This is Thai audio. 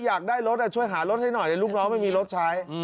อยากได้รถช่วยหารถให้หน่อยลูกน้องไม่มีรถใช้